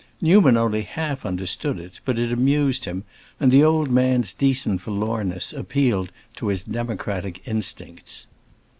Newman only half understood it, but it amused him, and the old man's decent forlornness appealed to his democratic instincts.